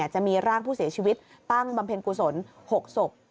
จะมีร่างผู้เสียชีวิตตั้งบำเพ็ญกุศล๖ศพ